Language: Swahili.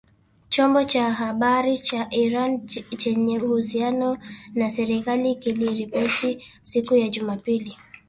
Chombo cha habari cha Iran chenye uhusiano na serikali kiliripoti siku ya Jumapili,